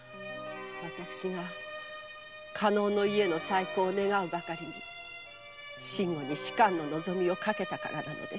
私が加納の家の再興を願うばかりに信吾に仕官の望みをかけたからなのです。